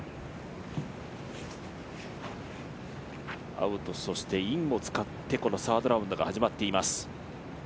アウト、そしてインを使ってこのサードラウンドが始まっています。